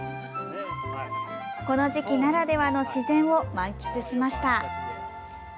この時期ならではの自然を満喫しました。